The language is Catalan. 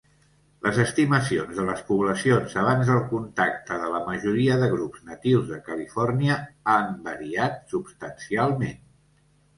Les estimacions de les poblacions abans del contacte de la majoria de grups natius de Califòrnia han variat substancialment.